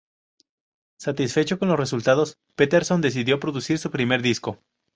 Satisfecho con los resultados, Peterson decidió producir su primer disco.